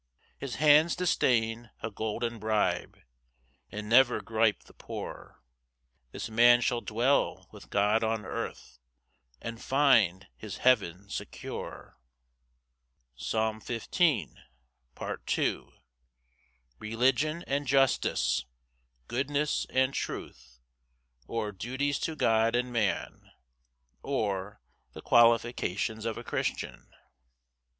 5 His hands disdain a golden bribe, And never gripe the poor; This man shall dwell with God on earth, And find his heaven secure. Psalm 15:2. L. M. Religion and justice, goodness and truth; or, Duties to God and man; or, The qualifications of a Christian.